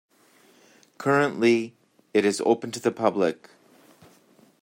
Currently, it is open to the public.